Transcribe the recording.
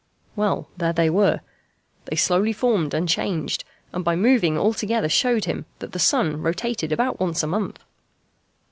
Well, there they were. They slowly formed and changed, and by moving all together showed him that the sun rotated about once a month.